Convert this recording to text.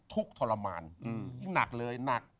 ทุกข์ทรมานยิ่งหนักเลยหนัก